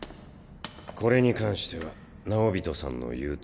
これに関しては直毘人さんの言うとおりに。